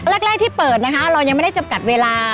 แรกที่เปิดนะคะเรายังไม่ได้จำกัดเวลา